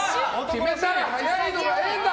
決めたら早いのが瑛太！